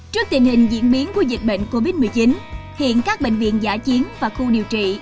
trước tình hình diễn biến của dịch bệnh covid một mươi chín hiện các bệnh viện giả chiến và khu điều trị